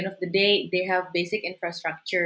pada akhirnya mereka memiliki infrastruktur